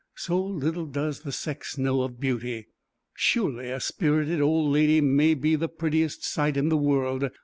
So little does the sex know of beauty. Surely a spirited old lady may be the prettiest sight in the world.